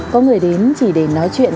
có người đến chỉ để nói chuyện